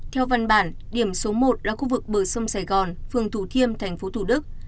theo văn bản điểm số một là khu vực bờ sông sài gòn phường thủ thiêm tp thủ đức